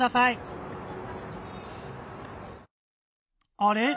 あれ？